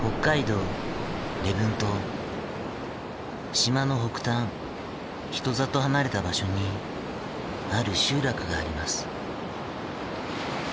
島の北端人里離れた場所にある集落があります。